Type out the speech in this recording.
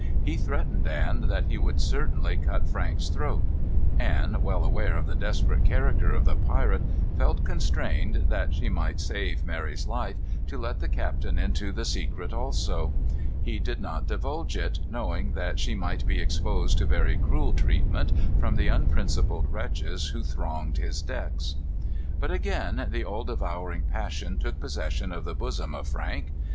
He threatened Anne that he would certainly cut Frank's throat. Anne, well aware of the desperate character of the pirate, felt constrained, that she might save Mary's life, to let the captain into the secret also. He did not divulge it, knowing that she might be exposed to very cruel treatment from the unprincipled wretches who thronged his decks. But again the all devouring passion took possession of the bosom of Frank.